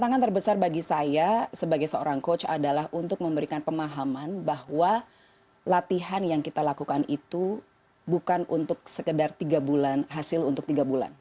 tantangan terbesar bagi saya sebagai seorang coach adalah untuk memberikan pemahaman bahwa latihan yang kita lakukan itu bukan untuk sekedar tiga bulan hasil untuk tiga bulan